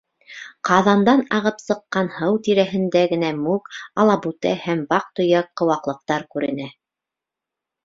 Ҡаҙандан ағып сыҡҡан һыу тирәһендә генә мүк, алабута һәм ваҡ-төйәк ҡыуаҡлыҡтар күренә.